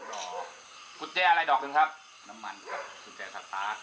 กุญแจอะไรดอกหนึ่งครับน้ำมันกับกุญแจสตาร์ท